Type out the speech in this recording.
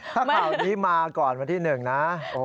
ถ้าข่าวนี้มาก่อนมาที่หนึ่งนะ